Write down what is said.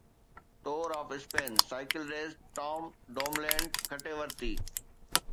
tour of Spain cycle race Tom Dumoulin کٽي ورتي